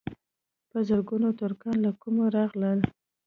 په زرګونو ترکان له کومه راغلل.